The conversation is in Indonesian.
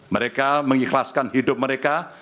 mereka mengikhlaskan hidup mereka